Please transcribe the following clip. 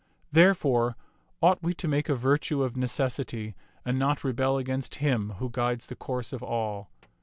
Therefore ought we to make a virtue of necessity and not rebel against Him who guides the course of all.